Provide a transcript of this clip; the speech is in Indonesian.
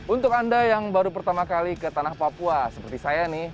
untuk anda yang baru pertama kali ke tanah papua seperti saya nih